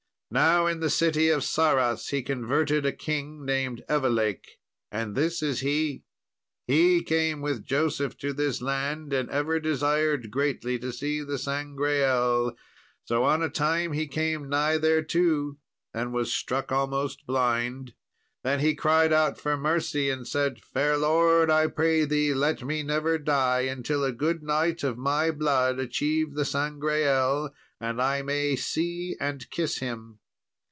Now, in the city of Sarras he converted a king named Evelake, and this is he. He came with Joseph to this land, and ever desired greatly to see the Sangreal; so on a time he came nigh thereto, and was struck almost blind. Then he cried out for mercy, and said, 'Fair Lord, I pray thee let me never die until a good knight of my blood achieve the Sangreal, and I may see and kiss him.'